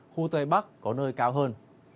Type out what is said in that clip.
khu tây bắc có nơi cao hơn